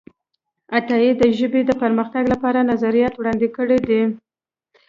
عطايي د ژبې د پرمختګ لپاره نظریات وړاندې کړي دي.